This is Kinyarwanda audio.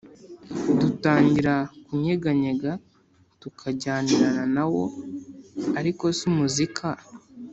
Dutangira kunyeganyega tukajyanirana na wo ariko se umuzika